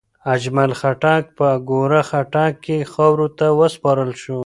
اجمل خټک په اکوړه خټک کې خاورو ته وسپارل شو.